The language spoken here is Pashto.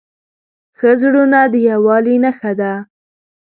ښه زړونه د یووالي نښه وي.